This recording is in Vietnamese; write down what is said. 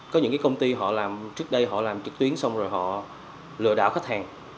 có những cái công ty họ làm trước đây họ làm trực tuyến xong rồi họ lừa đảo khách hàng